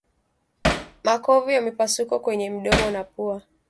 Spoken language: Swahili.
Makovu ya mipasuko kwenye mdomo na pua